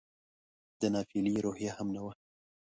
د ناپیېلې روحیه هم نه وه.